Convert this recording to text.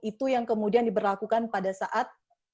itu yang kemudian diberlakukan pada saat